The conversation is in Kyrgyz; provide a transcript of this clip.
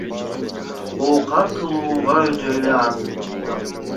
Оокат кылууга өтө эле аз, дейт ал.